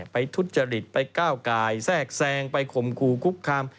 ทุจริตไปก้าวกายแทรกแซงไปข่มขู่คุกคาม